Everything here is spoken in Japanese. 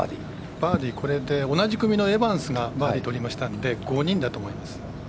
バーディー、これで同じ組のエバンスがバーディーとったので５人だと思います。